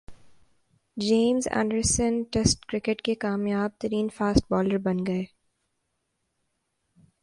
James Anderson test cricket کے کامیاب ترین فاسٹ بالر بن گئے